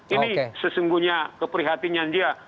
ini sesungguhnya keprihatinan dia